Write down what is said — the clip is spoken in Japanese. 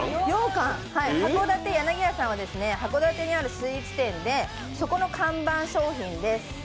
はこだて柳屋さんは函館にあるスイーツ店でそちらの看板商品です。